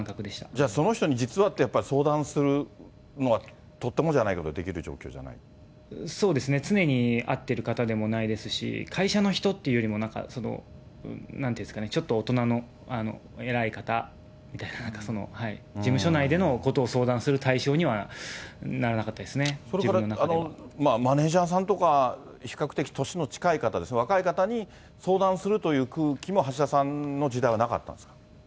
じゃ、その人に実はってやっぱ相談するのはとてもじゃないけどできる状そうですね、常に会ってる方でもないですし、会社の人っていうよりも、なんかなんていうんですかね、ちょっと大人の偉い方みたいな、事務所内でのことを相談する対象にはならなかったですね、自分のそれからマネージャーさんとか、比較的年の近い方ですね、若い方に相談するという空気も、橋田さんの時代はなかったんですか。